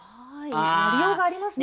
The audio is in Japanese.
やりようがありますね。